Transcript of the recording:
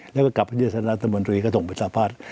แล้วก็กลับไปที่ท่านรัฐมนตรีก็ส่งประชาพัฒน์